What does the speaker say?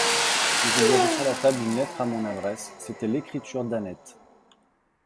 Mais il y avait sur la table une lettre à mon adresse ; c'était l'écriture d'Annette.